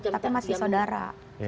tapi masih saudara